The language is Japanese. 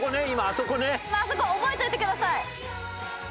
「あそこ覚えておいてください」